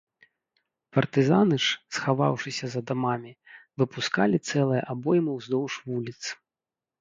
Партызаны ж, схаваўшыся за дамамі, выпускалі цэлыя абоймы ўздоўж вуліц.